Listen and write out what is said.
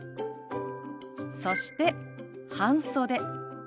そして「半袖」。